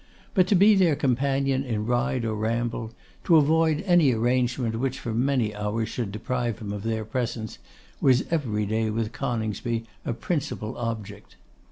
But to be their companion in ride or ramble; to avoid any arrangement which for many hours should deprive him of their presence; was every day with Coningsby a principal object.